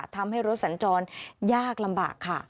ทำให้รถสัญจรยากลำบากค่ะ